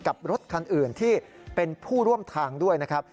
กับรถคันอื่นที่เป็นผู้ร่วมทางด้วยนะครับ